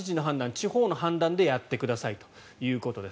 地方の判断でやってくださいということです。